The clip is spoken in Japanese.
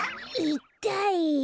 いったい！